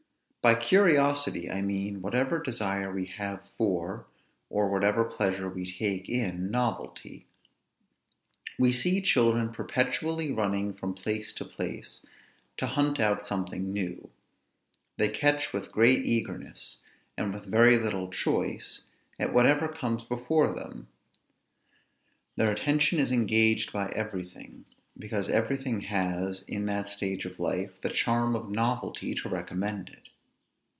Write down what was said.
By curiosity I mean whatever desire we have for, or whatever pleasure we take in, novelty. We see children perpetually running from place to place, to hunt out something new: they catch with great eagerness, and with very little choice, at whatever comes before them; their attention is engaged by everything, because everything has, in that stage of life, the charm of novelty to recommend it.